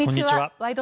「ワイド！